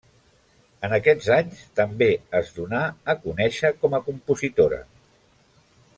En aquests anys també es donà a conèixer com a compositora.